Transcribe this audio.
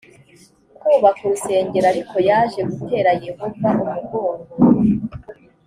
kubaka urusengero ariko yaje gutera yehova umugongo